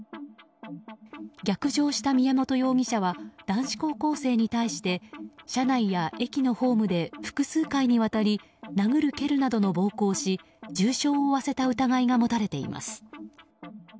逆上した宮本容疑者は男子高校生に対して車内や駅のホームで複数回にわたり殴る蹴るなどの暴行をし重傷を負わせた疑いが持たれています。